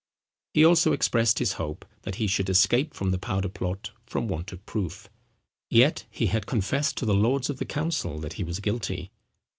He also expressed his hope, that he should escape from the powder plot from want of proof; yet he had confessed to the lords of the council, that he was guilty.